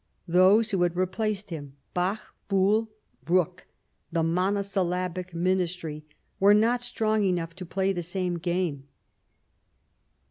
Those who had replaced him. Bach, Buol, Bruck — the monosyllabic Ministry — were not strong enough to play the same game.